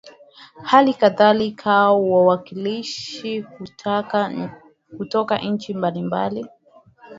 hali kadhalika wawakilishi kutoka nchi mbalimbali